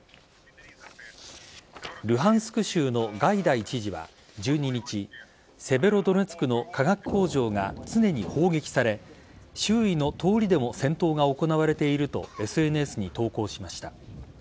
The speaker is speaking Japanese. ルハンスク州のガイダイ知事は１２日セベロドネツクの化学工場が常に砲撃され周囲の通りでも戦闘が行われているとＳＮＳに投稿しました。